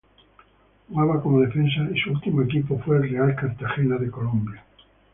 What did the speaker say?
Jugaba como defensa y su último equipo fue el Real Cartagena de Colombia.